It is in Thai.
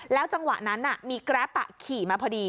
จังหวะนั้นมีแกรปขี่มาพอดี